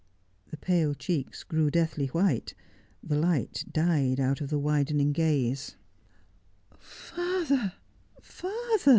The pale cheeks grew deathly white, the light died out of the widening gaze. ' Father ! father